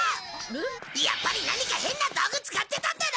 やっぱり何か変な道具使ってたんだな！